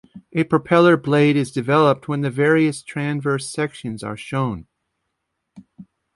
A propeller blade is developed when the various transverse sections are shown.